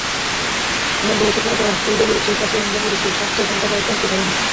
অনেক গবেষক মনে করেন এই দেবীর উৎস প্রাচীন বঙ্গদেশের শাক্ত সম্প্রদায়ের তন্ত্র সাধনায়।